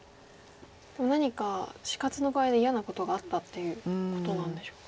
でも何か死活の具合で嫌なことがあったっていうことなんでしょうか。